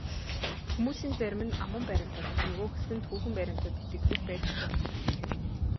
Хүмүүсийн зарим нь аман баримтад, нөгөө хэсэг нь түүхэн баримтад итгэдэг байж ч болно.